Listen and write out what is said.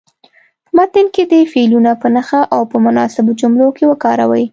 په متن کې دې فعلونه په نښه او په مناسبو جملو کې وکاروئ.